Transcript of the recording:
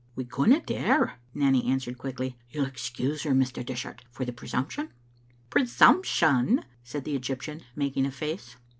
"We couldna dare," Nanny answered quickly. '* You'll excuse her, Mr. Dishart, for the presumption?" " Presumption !" said the Egyptian, making a face.